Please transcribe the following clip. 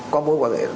có mối quan hệ